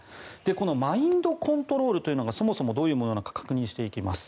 このマインドコントロールというのがそもそもどういうものなのか確認していきます。